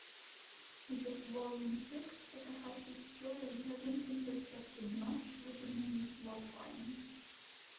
As of volume six, Takahashi's story hasn't intersected much with the main plotline.